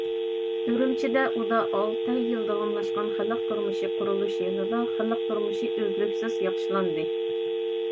ئۈرۈمچىدە ئۇدا ئالتە يىل داۋاملاشقان خەلق تۇرمۇشى قۇرۇلۇش يىلىدا، خەلق تۇرمۇشى ئۈزلۈكسىز ياخشىلاندى.